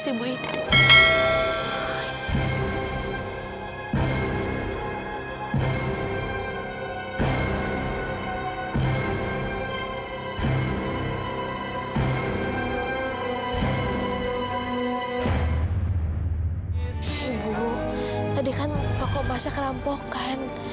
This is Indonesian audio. ibu tadi kan tokoh masya kerampok kan